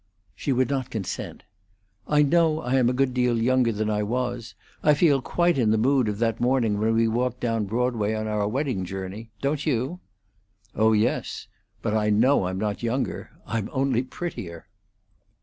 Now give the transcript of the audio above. She would not consent. "I know I am a good deal younger than I was. I feel quite in the mood of that morning when we walked down Broadway on our wedding journey. Don't you?" "Oh yes. But I know I'm not younger; I'm only prettier."